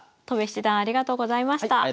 戸辺七段ありがとうございました。